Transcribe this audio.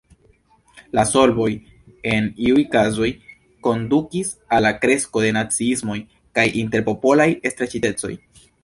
La solvoj en iuj kazoj kondukis al la kresko de naciismoj kaj interpopolaj streĉitecoj.